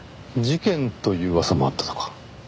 事件という噂もあったとか。